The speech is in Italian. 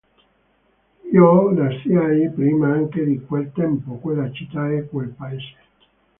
Io lasciai, prima anche di quel tempo, quella città e quel paese.